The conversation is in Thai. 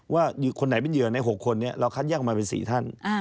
ว่าคนไหนเป็นเหยื่อใน๖คนนี้เราคัดแยกออกมาเป็น๔ท่าน